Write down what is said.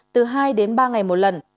từ hai đến ba ngày một lần